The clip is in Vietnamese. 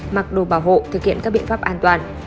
mặc đồ bảo hộ thực hiện các biện pháp an toàn